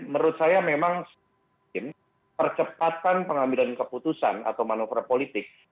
menurut saya memang percepatan pengambilan keputusan atau manuver politik